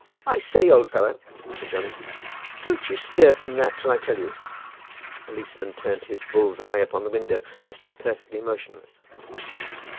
"I say, old fellow," said Johnny, "don't you stir from that till I tell you." The policeman turned his bull's eye upon the window, and stood perfectly motionless.